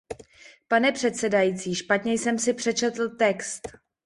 Pane předsedající, špatně jsem si přečetl text.